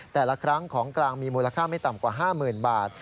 แต่ละครั้งของกลางมีมูลค่าไม่ต่ำกว่า๕๐๐๐บาท